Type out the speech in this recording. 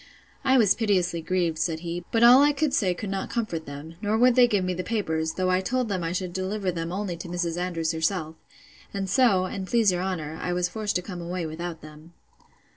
—I was piteously grieved, said he; but all I could say could not comfort them; nor would they give me the papers; though I told them I should deliver them only to Mrs. Andrews herself. And so, and please your honour, I was forced to come away without them.